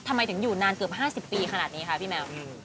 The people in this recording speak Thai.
ทำไมถึงอยู่นานเกือบ๕๐ปีขนาดนี้คะพี่แมว